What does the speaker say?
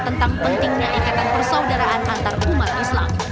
tentang pentingnya ikatan persaudaraan antarumat islam